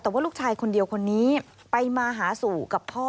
แต่ว่าลูกชายคนเดียวคนนี้ไปมาหาสู่กับพ่อ